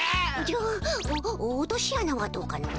じゃあお落としあなはどうかの？